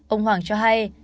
ông hoàng cho hay